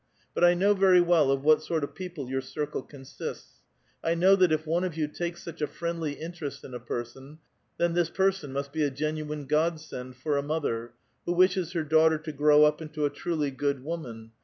But I know very well of what sort of peo ple your circle consists. I know that if one of you takes such a friendly interest in a person, then this person must be a gen uine godsend for a mother, who wishes her daughter to grow up into a truly good woman.